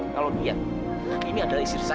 kamu bangun lagi sita